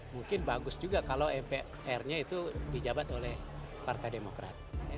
mungkin bagus juga kalau mpr nya itu dijabat oleh partai demokrat